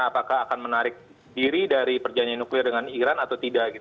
apakah akan menarik diri dari perjanjian nuklir dengan iran atau tidak